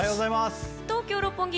東京・六本木